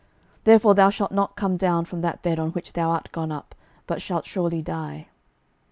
therefore thou shalt not come down from that bed on which thou art gone up, but shalt surely die.